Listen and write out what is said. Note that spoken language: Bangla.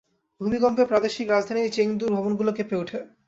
ভূমিকম্পে প্রাদেশিক রাজধানী চেংদুর ভবনগুলো কেঁপে ওঠে।